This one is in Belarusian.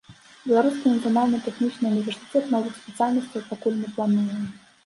Беларускі нацыянальны тэхнічны ўніверсітэт новых спецыяльнасцяў пакуль не плануе.